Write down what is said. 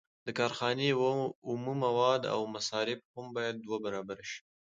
د کارخانې اومه مواد او مصارف هم باید دوه برابره شي